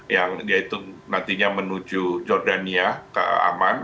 yang yaitu nantinya menuju jordania ke aman